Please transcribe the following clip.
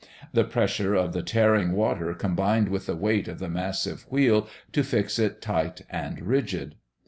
The pressure of the tearing water combined with the weight of the massive wheel to fix it tight and rigid.